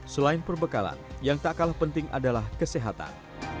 selain perbekalan yang tak kalah penting adalah kesehatan